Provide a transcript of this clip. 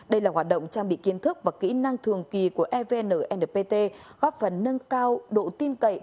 đây là hoạt động trang bị kiến thức và kỹ năng thường kỳ của evn npt góp phần nâng cao độ tin cậy